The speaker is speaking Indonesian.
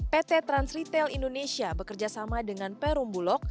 pt transretail indonesia bekerjasama dengan perumbulok